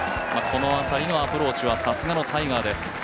この辺りのアプローチはさすがのタイガーです。